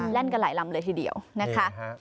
เล่นกันหลายลำเลยทีเดียวนะคะ